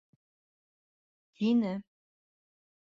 -тине.